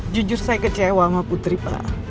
jujur saya kecewa sama putri pak